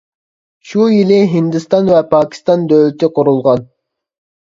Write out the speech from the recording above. شۇ يىلى ھىندىستان ۋە پاكىستان دۆلىتى قۇرۇلغان.